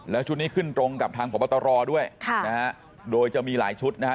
แล้วชุดนี้ขึ้นตรงกับทางของประตรอด้วยโดยจะมีหลายชุดนะฮะ